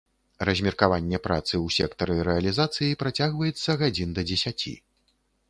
Размеркаванне працы ў сектары рэалізацыі працягваецца гадзін да дзесяці.